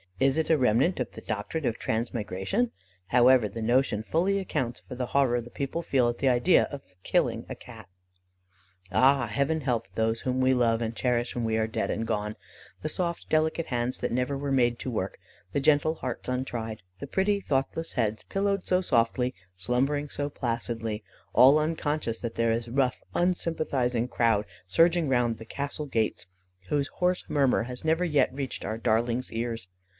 Is it a remnant of the doctrine of transmigration? However, the notion fully accounts for the horror the people feel at the idea of killing a Cat." Ah, heaven help those whom we love and cherish when we are dead and gone! The soft, delicate hands that never were made to work the gentle hearts untried the pretty, thoughtless heads, pillowed so softly, slumbering so placidly, all unconscious that there is a rough, unsympathising crowd surging round the castle gates, whose hoarse murmur has never yet reached our darlings' ears.